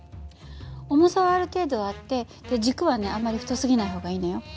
重さはある程度あって軸はねあんまり太すぎない方がいいのよ。